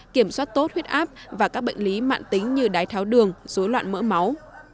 kiểm soát tốt huyết áp và các bệnh lý mạng tính như đái tháo đường dối loạn mỡ máu